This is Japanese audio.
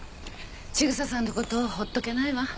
千草さんのことほっとけないわ。